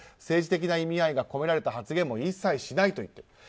政治的な意味合いが込められた発言も一切しないと言っている。